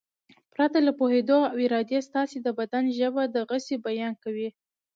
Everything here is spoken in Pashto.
پرته له پوهېدو او ارادې ستاسې د بدن ژبه د غسې بیان کوي.